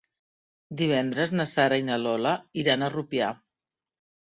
Divendres na Sara i na Lola iran a Rupià.